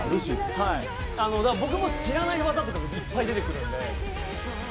僕も知らない技とかもいっぱい出てくるので。